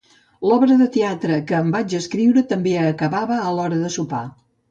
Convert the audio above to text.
L'obra de teatre que en vaig escriure també acabava a l'hora de sopar.